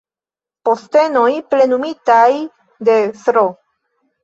Postenoj plenumitaj de Sro.